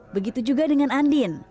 begitu juga dengan andin